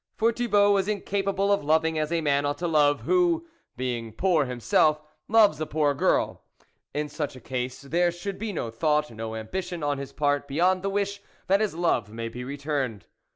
For Thi bault was incapable of loving as a man ought to love, who, being poor himself, loves a poor girl ; in such a case there THE WOLF LEADER 27 should be no thought, no ambition on his part beyond the wish that his love may be returned.